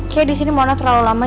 kayak disini mona terlalu lama